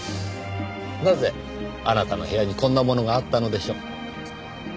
なぜあなたの部屋にこんなものがあったのでしょう？